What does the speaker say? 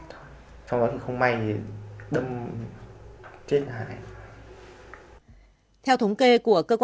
xong rồi thì không may thì đâm chết hải